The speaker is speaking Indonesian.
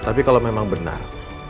tapi kalau memang benar